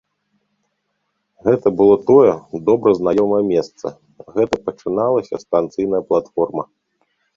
Гэта было тое, добра знаёмае месца, гэта пачыналася станцыйная платформа.